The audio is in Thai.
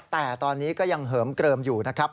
แต่ตอนนี้ก็ยังเหิมเกลิมอยู่นะครับ